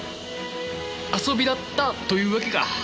遊びだったというわけか。